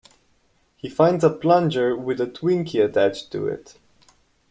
He finds a plunger with a Twinkie attached to it.